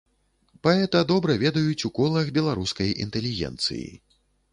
Паэта добра ведаюць у колах беларускай інтэлігенцыі.